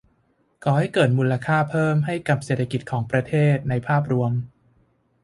ก่อให้เกิดมูลค่าเพิ่มให้กับเศรษฐกิจของประเทศในภาพรวม